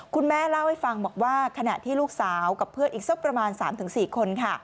คุณแม่เล่าให้ฟังบอกว่าขณะที่ลูกสาวกับเพื่อนอีกสักประมาณ๓๔คนค่ะ